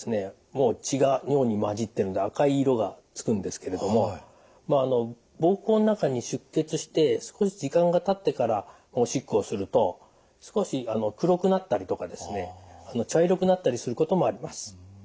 もう血が尿に混じってるので赤い色がつくんですけれども膀胱の中に出血して少し時間がたってからおしっこをすると少し黒くなったりとかですね茶色くなったりすることもあります。